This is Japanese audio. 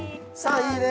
いいね。